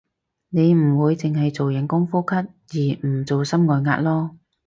你唔會淨係做人工呼吸而唔做心外壓囉